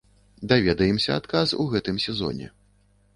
Даведаемся адказ у гэтым сезоне.